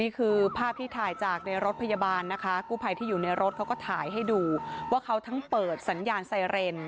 นี่คือภาพที่ถ่ายจากในรถพยาบาลนะคะกู้ภัยที่อยู่ในรถเขาก็ถ่ายให้ดูว่าเขาทั้งเปิดสัญญาณไซเรน